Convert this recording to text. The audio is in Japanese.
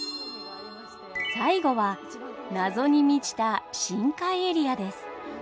最後は謎に満ちた深海エリアです。